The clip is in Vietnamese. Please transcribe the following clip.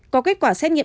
có kết quả xét nghiệm